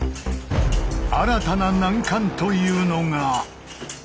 新たな難関というのが。